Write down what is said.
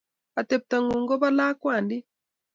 Ateptong'ung' ko po lakwandit.